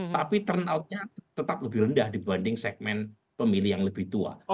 tapi turnoutnya tetap lebih rendah dibanding segmen pemilih yang lebih tua